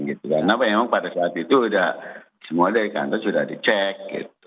karena memang pada saat itu sudah semua dari kantor sudah dicek